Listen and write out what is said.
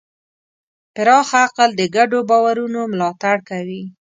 پراخ عقل د ګډو باورونو ملاتړ کوي.